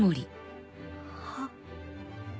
はっ？